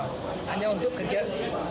hanya untuk kegiatan